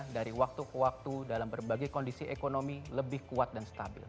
dari waktu ke waktu dalam berbagai kondisi ekonomi lebih kuat dan stabil